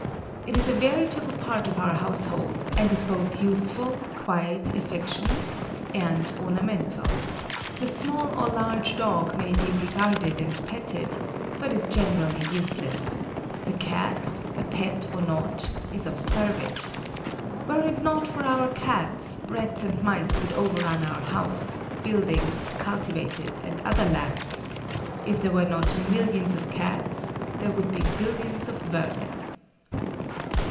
It is a veritable part of our household, and is both useful, quiet, affectionate, and ornamental. The small or large dog may be regarded and petted, but is generally useless; the Cat, a pet or not, is of service. Were it not for our Cats, rats and mice would overrun our house, buildings, cultivated and other lands. If there were not millions of Cats, there would be billions of vermin.